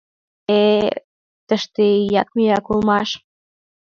Э-э, тыште ӱяк-мӱяк улмаш!..